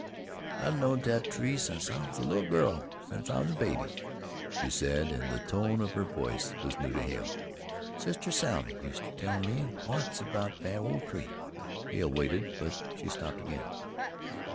"I've knowed that tree since I was a little girl since I was a baby," she said, and the tone of her voice was new to Hale. "Sister Sally uster tell me lots about that ole tree." Hale waited, but she stopped again.